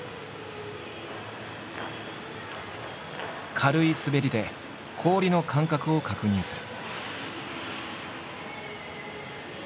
軽い滑りで氷の感覚を確認する。